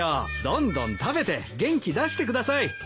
どんどん食べて元気出してください！